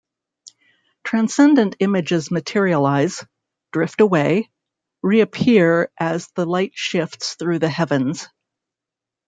Transcendent images materialize, drift away, reappear as the light shifts through the heavens.